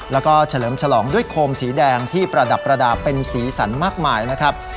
แล้วก็เฉลิมฉลองด้วยโคมสีแดงที่ประดับประดาษเป็นสีสันมากมายนะครับ